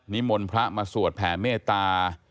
มนต์พระมาสวดแผ่เมตตา